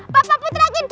papa putra kidulku